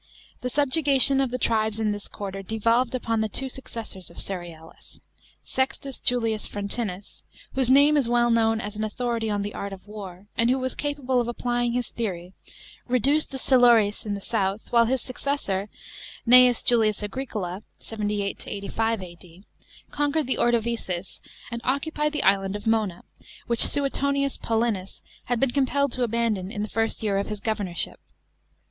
The subjugation of the tribes in this quarter devolved upon the two successors of Cerealis. Sextus Julius Frontinus, whose name is well known as an authority on the art of war, and who was capable of applying his theory, reduced the Silures, in the south ; while his successor, Gnseus Julius Agricola (78 85 A.D.), conquered the Ordovices and occupied the island of Mona, which Suetonius Paulinus had been compelled to abandon, in the first year of his governorship.